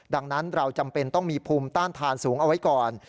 ดังนั้นเราจำเป็นต้องมีภูมิต้านทานสูงเอาไว้ก่อน